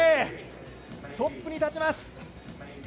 トップに立ちます。